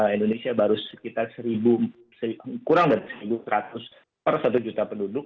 indonesia baru sekitar kurang dari satu seratus per satu juta penduduk